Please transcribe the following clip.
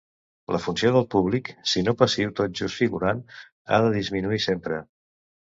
La funció del públic, si no passiu tot just figurant, ha de disminuir sempre.